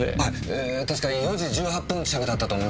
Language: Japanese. えー確か４時１８分着だったと思いますが。